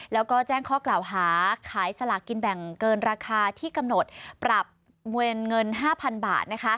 แล้วก็แจ้งข้อกล่าวหาขายสลากกินแบ่งเกินราคาที่กำหนดปรับเวรเงิน๕๐๐๐บาท